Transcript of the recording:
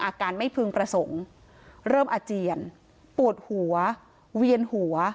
อาการไม่พึงประสงค์เริ่มอาเจียนปวดหัวเวียนหัว